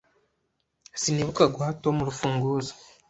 Sinibuka guha Tom urufunguzo.